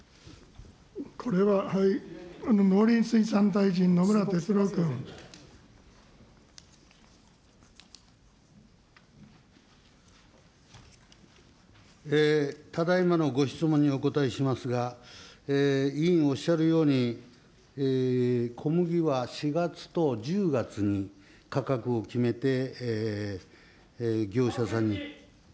これは農林水産大臣、ただいまのご質問にお答えしますが、委員おっしゃるように、小麦は４月と１０月に価格を決めて、業者さんに。